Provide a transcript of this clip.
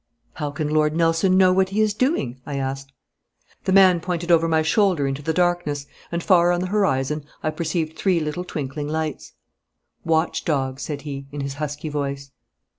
'How can Lord Nelson know what he is doing?' I asked. The man pointed out over my shoulder into the darkness, and far on the horizon I perceived three little twinkling lights. 'Watch dog,' said he, in his husky voice.